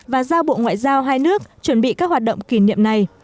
và giao bộ ngoại giao hai nước chuẩn bị các hoạt động kỷ niệm này